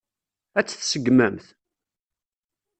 Ad tt-tseggmemt?